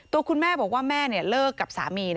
ตัวคุณแม่บอกว่าแม่เลิกกับสามี